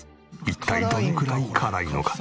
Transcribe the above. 一体どのくらい辛いのか。